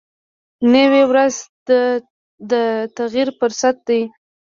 نوې ورځ د تغیر فرصت دی